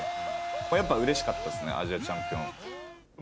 やっぱうれしかったっすねアジアチャンピオン。